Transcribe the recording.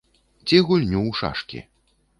Ці гульню ў шашкі.